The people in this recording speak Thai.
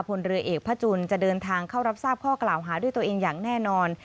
พลเรือเอกพระจุลจะเดินทางเข้ารับทราบข้อกล่าวหาด้วยตัวเองอย่างแน่นอน